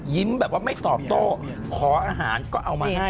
แบบว่าไม่ตอบโต้ขออาหารก็เอามาให้